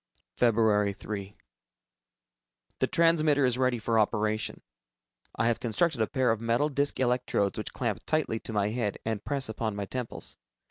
Feb. 3. The transmitter is ready for operation. I have constructed a pair of metal disc electrodes which clamp tightly to my head and press upon my temples.